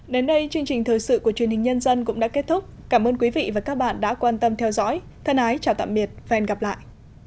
đến đây chương trình thời sự của truyền hình nhân dân cũng đã kết thúc cảm ơn quý vị và các bạn đã quan tâm theo dõi thân ái chào tạm biệt và hẹn gặp lại